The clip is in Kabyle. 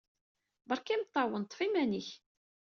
Berka imeṭṭawen. Ṭṭef iman-ik.